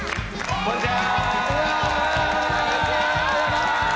こんにちは！